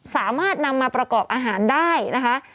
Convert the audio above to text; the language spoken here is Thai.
สามารถนำมาประกอบอาหารได้นะคะ